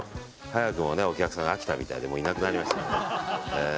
早くもお客さん飽きたみたいでいなくなりました。